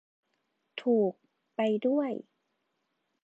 ถูก ไปด้วย !